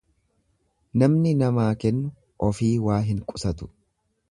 Namni namaa kennu ofii waa hin qusatu.